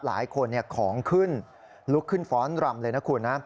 หลายคนของขึ้นลุกขึ้นฟ้อนรำเลยนะคุณนะ